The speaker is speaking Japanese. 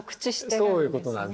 そういうことなんです。